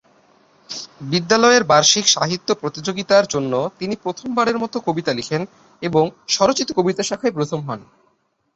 বিদ্যালয়ের বার্ষিক সাহিত্য প্রতিযোগিতার জন্য তিনি প্রথমবারের মত কবিতা লিখেন এবং স্বরচিত কবিতা শাখায় প্রথম হন।